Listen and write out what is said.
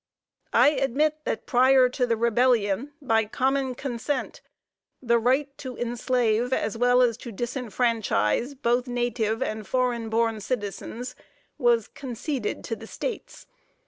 I admit that prior to the rebellion, by common consent, the right to enslave, as well as to disfranchise both native and foreign born citizens, was conceded to the States.